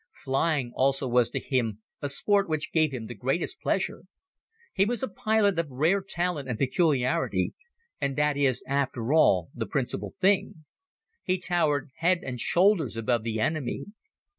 Flying also was to him a sport which gave him the greatest pleasure. He was a pilot of rare talent and particularity, and that is, after all, the principal thing. He towered head and shoulders above the enemy.